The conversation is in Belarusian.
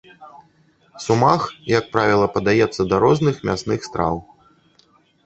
Сумах, як правіла, падаецца да розных мясных страў.